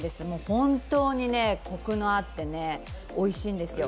本当にこくがあって、おいしいんですよ。